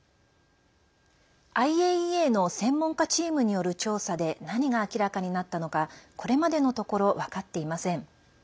ＩＡＥＡの専門家チームによる調査で何が明らかになったのかこれまでのところ分かっていません。